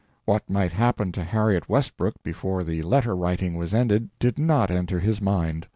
What might happen to Harriet Westbrook before the letter writing was ended did not enter his mind.